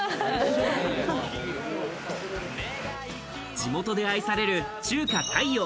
地元で愛される中華太陽。